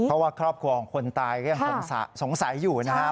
เพราะว่าครอบครัวของคนตายก็ยังสงสัยอยู่นะครับ